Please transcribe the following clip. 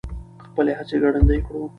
خپلې هڅې ګړندۍ کړو.